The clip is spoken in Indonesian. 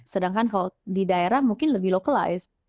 sedangkan kalau di daerah mungkin lebih localized